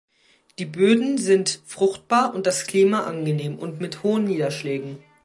Die Böden sind fruchtbar und das Klima angenehm und mit hohen Niederschlägen.